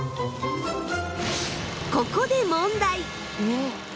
ここで問題！